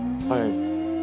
はい。